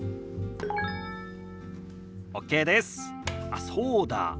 あっそうだ。